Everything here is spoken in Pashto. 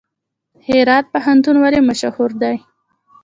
هرات پوهنتون ولې مشهور دی؟